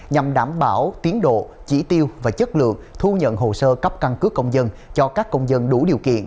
nhằm đảm bảo tiến độ chỉ tiêu và chất lượng thu nhận hồ sơ cấp căn cước công dân cho các công dân đủ điều kiện